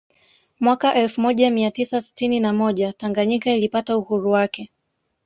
Mwaka elfu moja mia tisa sitini na moja Tanganyika ilipata uhuru wake